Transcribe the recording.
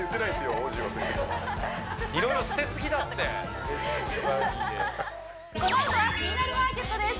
王子は別にいろいろ捨てすぎだって「レッツ！美バディ」でこのあとは「キニナルマーケット」です